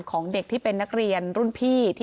ของเด็กที่เป็นนักเรียนรุ่นพี่